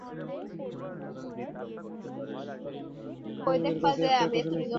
শুধু বাংলাদেশের মানুষের কাছে নয়, এটি বিশ্বের প্রকৃতিপ্রেমীদের কাছে একটি আকর্ষণীয় স্থান।